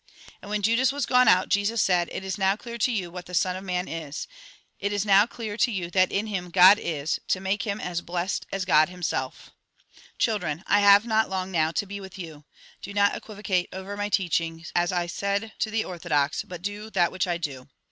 And when Judas was gone out, Jesus said :" It is now clear to you what the Son of Man is. It is now clear to you that in him God is, to make him as blessed as God Himself. 134 THE GOSPEL IN BRIEF " Children ! I have not long now to be with you. Do not equivocate over my teaching, as I said to the orthodox, but do that which I do.